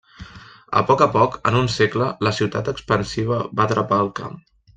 A poc a poc, en un segle, la ciutat expansiva va atrapar el camp.